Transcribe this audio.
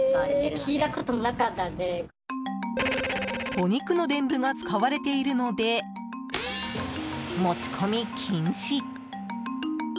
お肉のデンブが使われているので持ち込み禁止。